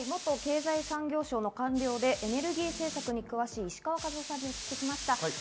経済産業省官僚でエネルギー政策に詳しい石川和男さんに聞きました。